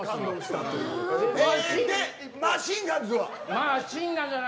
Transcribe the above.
マシンガンズは。